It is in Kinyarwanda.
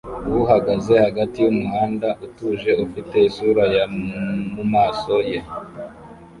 uhagaze hagati yumuhanda utuje ufite isura ya mumaso ye